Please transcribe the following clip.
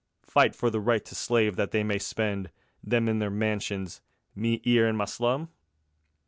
Fight for the right to slave that they may spend, Them in their mansions, me 'ere in my slum?